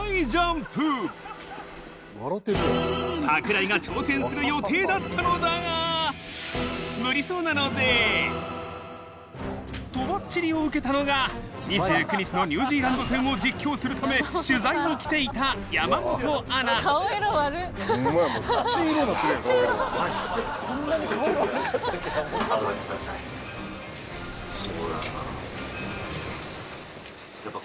櫻井が挑戦する予定だったのだがとばっちりを受けたのが２９日のニュージーランド戦を実況するため取材に来ていた山本アナやっぱ。